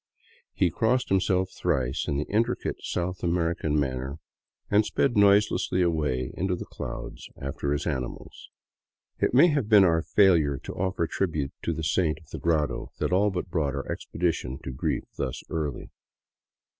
He crossed himself thrice in the intricate South American manner and sped noiselessly away into the clouds after his animals. It may have been our failure to offer tribute to the saint of the grotto that all but brought our expedition to grief thus early.